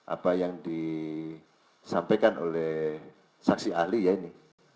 apa yang disampaikan oleh saksi ahli ya ini